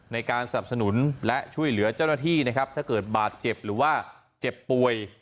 ในการสนับสนุนและช่วยเหลือเจ้าหน้าที่นะครับถ้าเกิดบาดเจ็บหรือว่าเจ็บป่วย